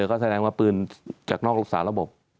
ก็แสดงว่าปืนจากนอกลูกสารระบบ